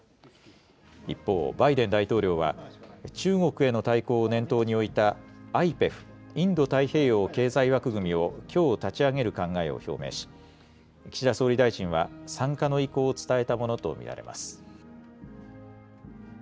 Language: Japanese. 一方、バイデン大統領は、中国への対抗を念頭に置いたＩＰＥＦ・インド太平洋経済枠組みをきょう立ち上げる考えを表明し、岸田総理大臣は、参加の意向を伝えたものと見られます。